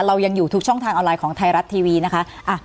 เรายังอยู่ทุกช่องทางออนไลน์ของไทยรัฐทีวีนะคะ